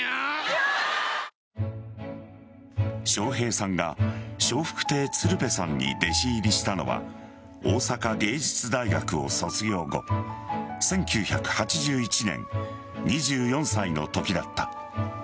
笑瓶さんが、笑福亭鶴瓶さんに弟子入りしたのは大阪芸術大学を卒業後１９８１年２４歳のときだった。